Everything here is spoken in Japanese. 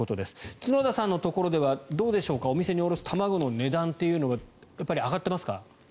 角田さんのところではどうでしょうかお店に卸す卵の値段というのはやっぱり上がってますか？